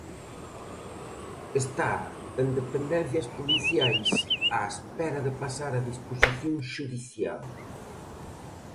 Está en dependencias policiais á espera de pasar a disposición xudicial.